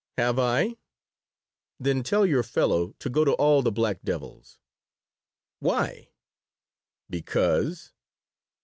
"Have I? Then tell your fellow to go to all the black devils." "Why?" "Because."